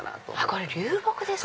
これ流木ですね。